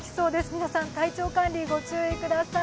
皆さん、体調管理ご注意ください。